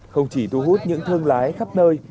không chỉ thu hút những thương lái khắp nơi